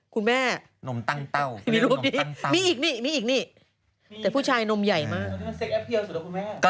คุณแม่มีรูปนี้มีอีกนี่มีอีกนี่แต่ผู้ชายนมใหญ่มาก